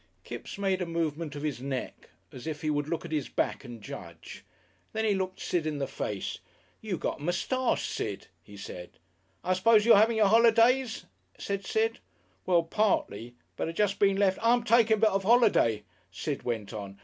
Kipps made a movement of his neck as if he would look at his back and judge. Then he looked Sid in the face. "You got a moustache, Sid," he said. "I s'pose you're having your holidays?" said Sid. "Well, partly. But I just been lef' " "I'm taking a bit of a holiday," Sid went on.